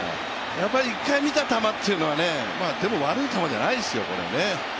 やっぱり一回見た球というのはね、でも悪い球じゃないですよこれね。